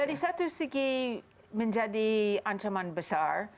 dari satu segi menjadi ancaman besar